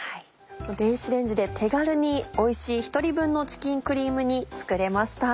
電子レンジで手軽においしい１人分の「チキンクリーム煮」作れました。